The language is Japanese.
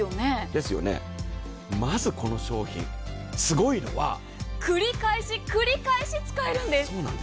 まずこの商品すごいのは繰り返し、繰り返し使えるんです。